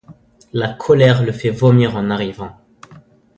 La colère le fait vomir en arrivant.